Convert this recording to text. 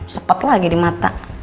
sepet lagi di mata